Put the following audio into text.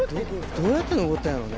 どうやって登ったんやろね？